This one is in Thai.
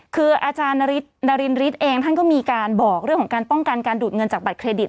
คืออาจารย์นารินฤทธิ์เองท่านก็มีการบอกเรื่องของการป้องกันการดูดเงินจากบัตรเครดิต